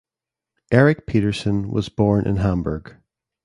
Erik Peterson was born in Hamburg.